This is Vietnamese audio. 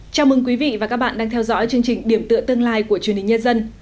chào mừng quý vị và các bạn đang theo dõi chương trình điểm tựa tương lai của truyền hình nhân dân